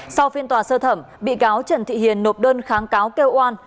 sau phiên tòa sơ thẩm bị cáo trần thị hiền nộp đơn kháng cáo kêu oan